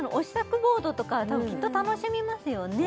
ボードとかはたぶんきっと楽しみますよね